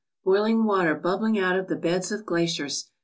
Boiling water bubbling out of the beds of glaciers!